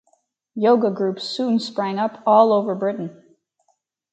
Yoga groups soon sprang up all over Britain.